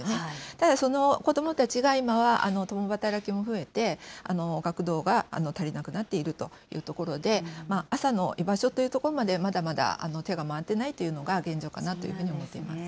ただ、その子どもたちが、今は共働きも増えて、学童が足りなくなっているというところで、朝の居場所というところまで、まだまだ手が回っていないというのが現状かなというふうに思っています。